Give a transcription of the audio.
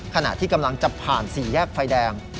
ขณะที่กำลังจะผ่านสี่แยกไฟแดง